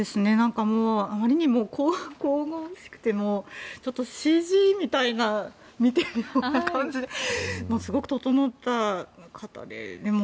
なんかもうあまりにも神々しくてちょっとＣＧみたいな見ているような感じですごく整った方で。